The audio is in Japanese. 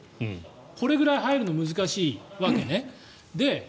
これくらい入るのが難しいわけね。